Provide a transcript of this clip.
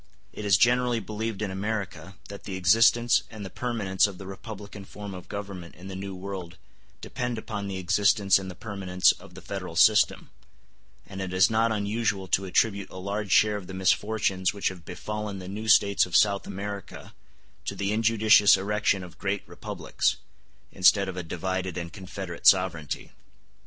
It is generally believed in America that the existence and the permanence of the republican form of government in the New World depend upon the existence and the permanence of the Federal system; and it is not unusual to attribute a large share of the misfortunes which have befallen the new States of South America to the injudicious erection of great republics, instead of a divided and confederate sovereignty.